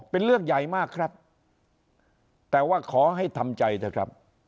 เป็นเรื่องใหญ่มากครับแต่ว่าขอให้ทำใจเถอะครับ